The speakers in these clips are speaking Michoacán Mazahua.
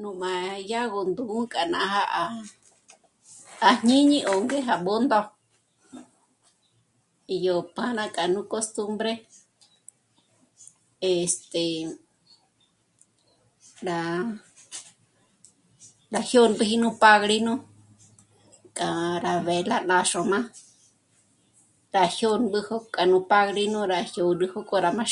Nú má dyágo ndù'u k'a nája à jñíñi o gó ngé à Bṓndo yó pân'a k'a nú costumbre, este..., rá, rá jyômbiji nú pádrino k'a rá vela ná xôm'a, pa jyômbügo k'a nú pádrino rá jyôd'üjü k'o rá má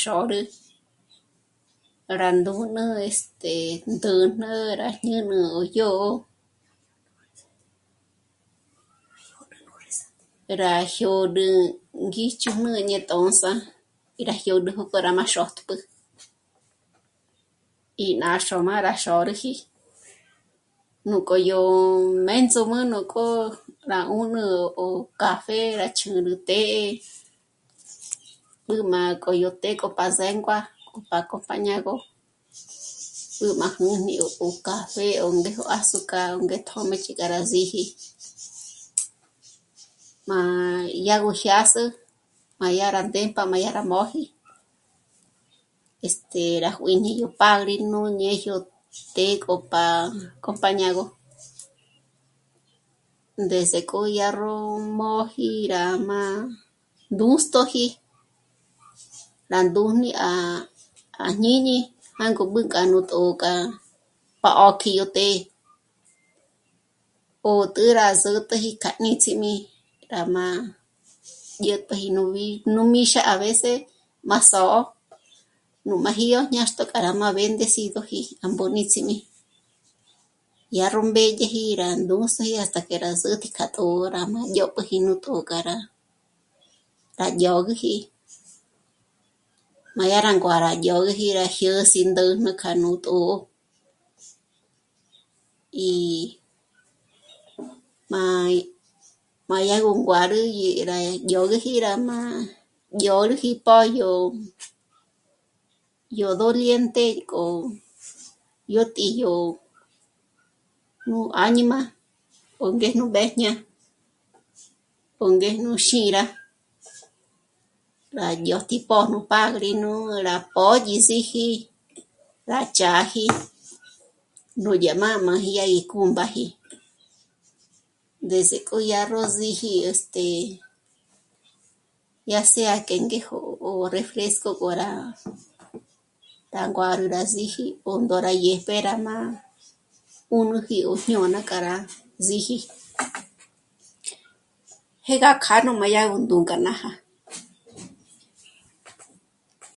xôrü para ndū̌n'ū, este..., ndǚn'ü à jñǚn'ü o dyò'o. Rá jyôd'ü ngíjchün'ü ñé tō̂ndza, rá jyôd'üjü k'o rá má xôtp'ü í ná xôm'a rá xôrüji, nú k'o yó mbéndzǔm'ü nó k'o rá 'ùnü o café rá chjǚrü té, b'ǘ má k'o yó té k'o pázéngua pa compañágo 'ú má nìn'i k'o café o ndéjo ázucar o ngé tjö́mëch'i k'a rá síji. Má yá gó jyâs'ü, má yá rá ndémp'a, má yá rá móji, este, rá juǐñi yó pádrino ngéjyo të́'ë k'o pá'a, compañágo, ndés'e k'o yá ró móji rá má gǔstoji rá ndújm'i à..., à jñíñi, jângo b'ǘ k'a nú tô'k'a pa 'ö́kji yó të́'ë, 'ö́t'ü rá zǚt'üji k'a níts'im'i rá má dyä̀t'äji nú mí..., nú míxa a vece má só'o nú máji 'ö́jö ñáxtjo k'a rá bendecígoji jângo níts'im'i, dyá ró mbédyeji yá rá ndûndzi hasta que rá sä̌tji k'a tjṓ'ō rá má ndzhôp'üji yó tjṓ'ō k'a rá, rá dyôd'üji, má yá rá nguârü dyôgüji, yá rá jyês'i ndä̂jnä k'a nú tjṓ'ō í má, má dyá gó nguârü dyé rá dyôd'üji, rá má dyôrüji pá'a yó, yó doliente k'o yó tǐ'i yó áñima ó ngéjnú mbéjña ó ngéjnu xîra rá dyôjti pó'o nú pádrino k'o rá pôdyi síji rá ch'áji núdya mā́jm'āji yá í cúmbaji, ndés'e k'o yá ró síji, este..., ya sea que ngéjo ó refresco k'o rá, pa nguârü rá síji ó ndóra dyép'e rá má 'ùnüji ó jñôna k'a rá síji. Jé gá kjâ'a nú má dyá gó ndú'u k'a nája